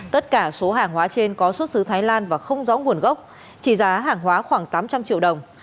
tất cả số hàng hóa trên có xuất xứ thái lan và không rõ nguồn gốc trị giá hàng hóa khoảng tám trăm linh triệu đồng